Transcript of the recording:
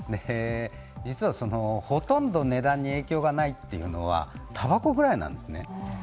実はほとんど値段に影響がないというのはたばこぐらいなんですね。